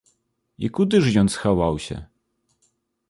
І куды ж ён схаваўся?